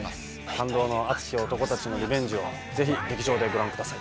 感動の熱き男たちのリベンジをぜひ劇場でご覧ください。